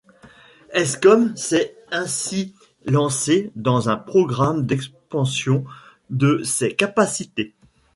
Eskom s’est ainsi lancé dans un programme d’expansion de ses capacités.